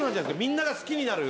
みんなが好きになる。